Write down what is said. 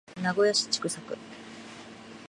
名古屋市千種区